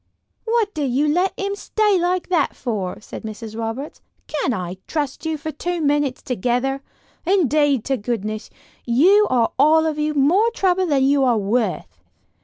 "What did you let him stay like that for?" said Mrs. Roberts. "Can't I trust you for two minutes together? Indeed to goodness, you are all of you more trouble than you are worth."